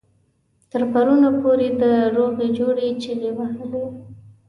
تر پرونه پورې د روغې جوړې چيغې وهلې.